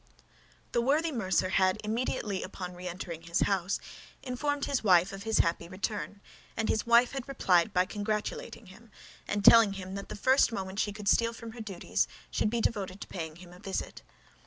The worthy mercer had, immediately upon re entering his house, informed his wife of his happy return, and his wife had replied by congratulating him, and telling him that the first moment she could steal from her duties should be devoted to paying him a visit.